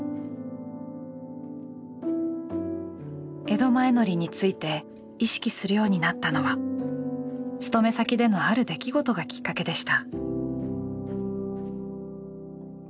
江戸前海苔について意識するようになったのは勤め先でのある出来事がきっかけでした。